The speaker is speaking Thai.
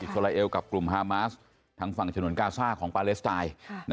สราเอลกับกลุ่มฮามาสทางฝั่งฉนวนกาซ่าของปาเลสไตน์